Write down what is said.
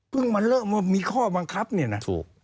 เพิ่งมันเริ่มว่ามีข้อบังคับเนี่ยนะ